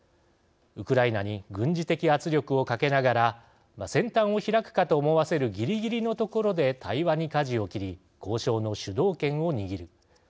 ウクライナに軍事的圧力をかけながら戦端を開くかと思わせるぎりぎりのところで対話にかじを切り交渉の主導権を握る。